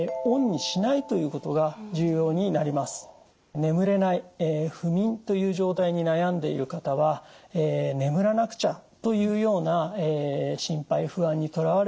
眠れない不眠という状態に悩んでいる方は眠らなくちゃというような心配不安にとらわれがちです。